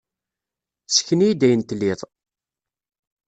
Ssken-iyi-d ayen tlid.